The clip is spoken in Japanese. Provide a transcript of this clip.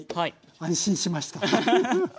安心しました。